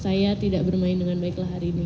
saya tidak bermain dengan baiklah hari ini